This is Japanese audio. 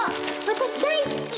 私大好き！